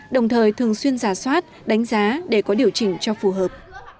đồng thời thường xuyên giả soát đánh giá để có điều chỉnh cho phù hợp